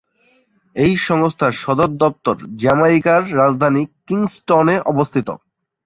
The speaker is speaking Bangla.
এই সংস্থার সদর দপ্তর জ্যামাইকার রাজধানী কিংস্টনে অবস্থিত।